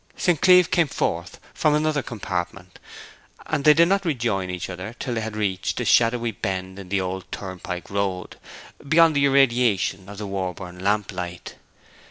St. Cleeve came forth from another compartment, and they did not rejoin each other till they had reached a shadowy bend in the old turnpike road, beyond the irradiation of the Warborne lamplight.